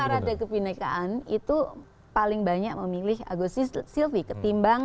parade kebinekaan itu paling banyak memilih agus silvi ketimbang